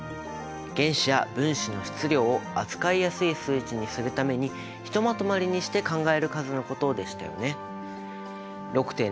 原子や分子の質量を扱いやすい数値にするためにひとまとまりにして考える数のことでしたよね。